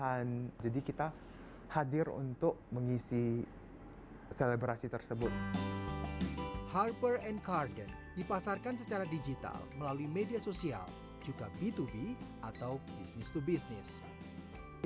apakah ini merupakan bidang discussional lebih ke atas gambar masing masing atau merupakan bidang eksoran attractif